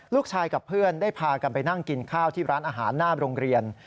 กับเพื่อนได้พากันไปนั่งกินข้าวที่ร้านอาหารหน้าโรงเรียน